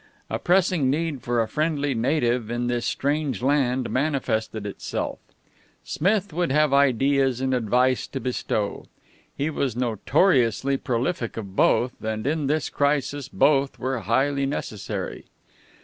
A pressing need for a friendly native in this strange land manifested itself. Smith would have ideas and advice to bestow he was notoriously prolific of both and in this crisis both were highly necessary.